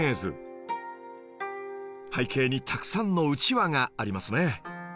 背景にたくさんのうちわがありますね